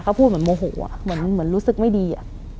เขาพูดเหมือนโมโหเหมือนรู้สึกไม่ดี